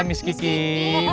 miss kiki yang kasih ya